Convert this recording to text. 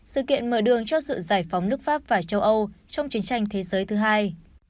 sự kiện mở đường cho sự giải phóng nước pháp và châu âu trong chiến tranh thế giới thứ hai